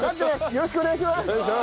よろしくお願いします！